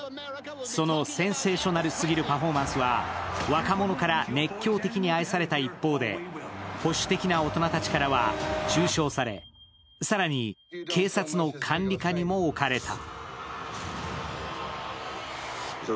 そのセンセーショナルすぎるパフォーマンスは若者から熱狂的に愛された一方で保守的な大人たちからは中傷され更に警察の管理下にも置かれた。